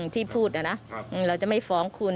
ที่พูดนะเราจะไม่ฟ้องคุณ